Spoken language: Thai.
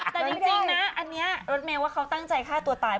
แต่จริงนะอันนี้รถเมลว่าเขาตั้งใจฆ่าตัวตาย